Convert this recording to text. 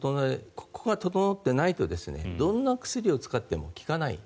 ここが整っていないとどんな薬を使っても効かない。